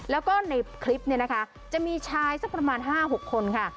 แล้วก็ในคลิปเนี่ยนะคะจะมีชายสักประมาณ๕๖คนค่ะ